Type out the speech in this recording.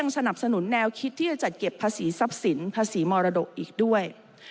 สนับสนุนแนวคิดที่จะจัดเก็บภาษีทรัพย์สินภาษีมรดกอีกด้วย